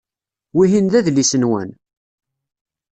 Wihin d adlis-nwen?